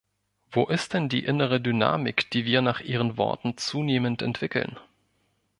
Wo ist denn die innere Dynamik, die wir nach Ihren Worten zunehmend entwickeln?